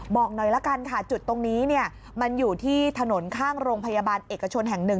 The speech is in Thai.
บอกหน่อยละกันค่ะจุดตรงนี้เนี่ยมันอยู่ที่ถนนข้างโรงพยาบาลเอกชนแห่งหนึ่ง